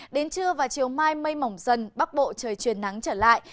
đến trưa và chiều mai mây mỏng dần bắc bộ trời chuyển nắng trở lại